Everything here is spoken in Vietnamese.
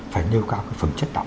phải nêu cao cái phẩm chất đóng